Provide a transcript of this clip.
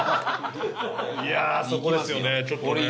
いやあ、そこですよねちょっとね。